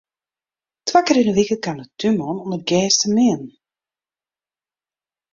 Twa kear yn 'e wike kaam de túnman om it gjers te meanen.